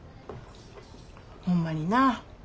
ホンマになぁ。